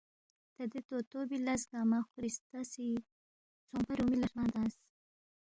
تا دے طوطو بی لس گنگمہ خورِستہ سی ژھونگپا رُومی لہ ہرمنگ تنگس